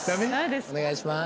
お願いします。